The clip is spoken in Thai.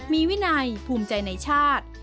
มีวินัยภูมิใจในชาติ